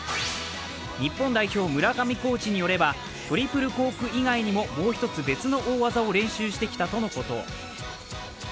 日本代表、村上コーチによればトリプルコーク以外にももう一つ別の大技を練習してきたとのこと。